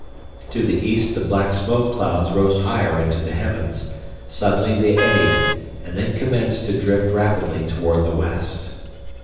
To the east the black smoke clouds rose higher into the heavens, suddenly they eddied, and then commenced to drift rapidly toward the west.